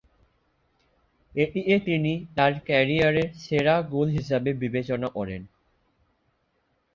এটিকে তিনি তার ক্যারিয়ারের সেরা গোল হিসেবে বিবেচনা করেন।